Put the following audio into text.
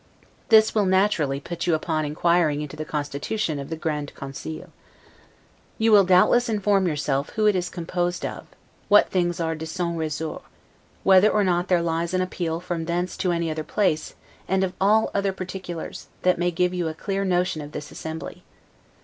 This will naturally put you upon inquiring into the constitution of the 'Grand Conseil'. You will, doubtless, inform yourself who it is composed of, what things are 'de son ressort', whether or not there lies an appeal from thence to any other place; and of all other particulars, that may give you a clear notion of this assembly.